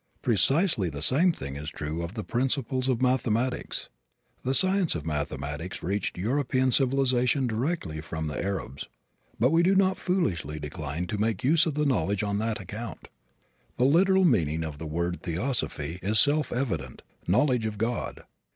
Precisely the same thing is true of the principles of mathematics. The science of mathematics reached European civilization directly from the Arabs, but we do not foolishly decline to make use of the knowledge on that account. The literal meaning of the word theosophy is self evident knowledge of God.